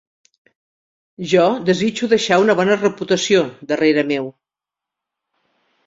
Jo desitjo deixar una bona reputació darrere meu.